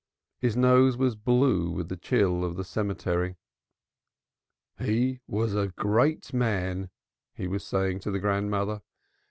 His nose was blue with the chill of the cemetery. "He was a great man." he was saying to the grandmother.